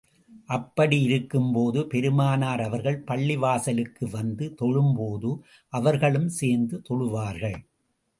அப்படி இருக்கும் போது, பெருமானார் அவர்கள் பள்ளிவாசலுக்கு வந்து தொழும் போது, அவர்களும் சேர்ந்து தொழுவார்கள்.